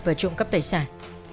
và trộm cắp tài sản